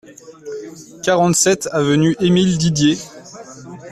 quarante-sept avenue Émile Didier